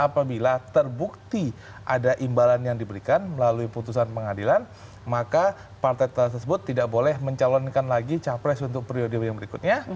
apabila terbukti ada imbalan yang diberikan melalui putusan pengadilan maka partai tersebut tidak boleh mencalonkan lagi capres untuk periode yang berikutnya